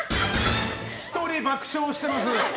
１人爆笑してます。